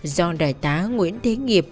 do đại tá nguyễn thế nghiệp